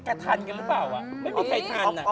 กระทันกันหรือเปล่าไม่มีใครทัน